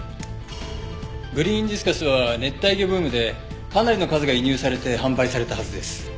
グリーンディスカスは熱帯魚ブームでかなりの数が輸入されて販売されたはずです。